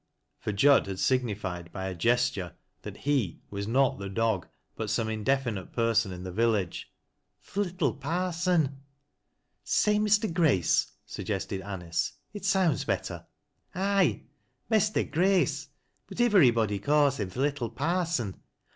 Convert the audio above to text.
for Jud had signified by a gesture that lu was not the dog, but some indefinite person in the villaga "Th' little Parson." " Say, Mr. Grace," suggested Anice. " It sounds better." "Aye — Mester Grace — but ivverybody ca's him th' little Parson.